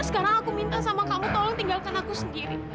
sekarang aku minta sama kamu tolong tinggalkan aku sendiri